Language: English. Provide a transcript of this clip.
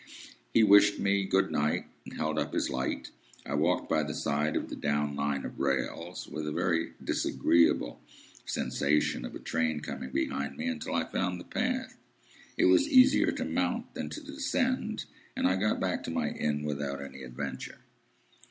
He wished me good night, and held up his light. I walked by the side of the down Line of rails (with a very disagreeable sensation of a train coming behind me) until I found the path. It was easier to mount than to descend, and I got back to my inn without any adventure.